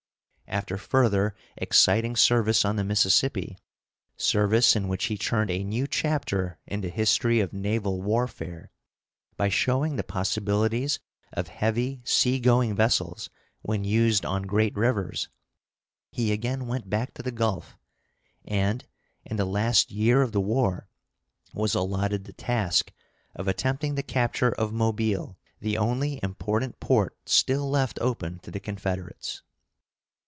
After further exciting service on the Mississippi, service in which he turned a new chapter in the history of naval warfare by showing the possibilities of heavy seagoing vessels when used on great rivers, he again went back to the Gulf, and, in the last year of the war, was allotted the task of attempting the capture of Mobile, the only important port still left open to the Confederates.